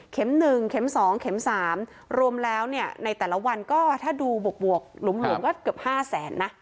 เข็มหนึ่งเข็มสองเข็มสามรวมแล้วเนี่ยในแต่ละวันก็ถ้าดูบวกบวกหลวงหลวงก็เกือบห้าแสนนะ